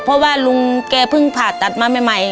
เพราะว่าลุงแกเพิ่งผ่าตัดมาใหม่